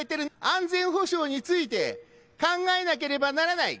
安全保障について考えなければならない。